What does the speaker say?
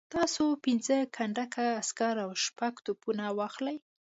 تاسو پنځه کنډکه عسکر او شپږ توپونه واخلئ.